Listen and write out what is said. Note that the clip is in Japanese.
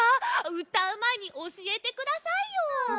うたうまえにおしえてくださいよ！